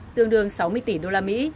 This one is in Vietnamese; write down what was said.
tương đương sáu mươi tỷ đô la mỹ